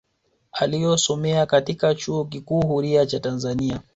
Aliyosomea katika chuo kikuu huria cha Tanzania